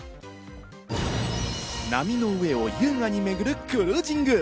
波の上を優雅に巡るクルージング。